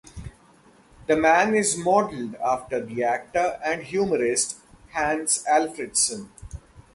The man is modelled after the actor and humorist Hans Alfredsson.